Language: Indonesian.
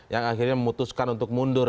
yang akhirnya memutuskan untuk mundur